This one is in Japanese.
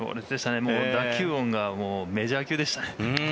打球音がメジャー級でしたね。